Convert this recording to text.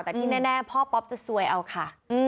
แต่ที่แน่พ่อป๊อปจะซวยเอาค่ะ